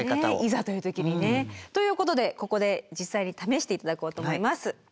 いざという時にね。ということでここで実際に試して頂こうと思います。